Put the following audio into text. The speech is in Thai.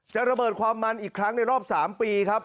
ระเบิดความมันอีกครั้งในรอบ๓ปีครับ